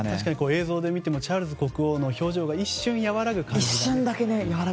映像で見てもチャールズ国王の表情が一瞬和らぐ感じが。